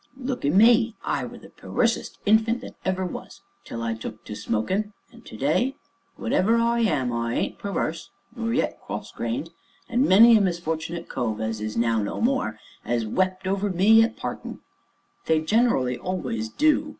Look at me I were the per wersest infant that ever was, till I took to smokin', and to day, whatever I am, I ain't per werse, nor yet cross grained, and many a misfort'nate cove, as is now no more 'as wept over me at partin' " "They generally always do!"